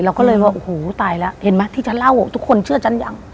เราก็เลยว่าโอ้โหตายแล้วเห็นไหมที่ฉันเล่าทุกคนเชื่อฉันยัง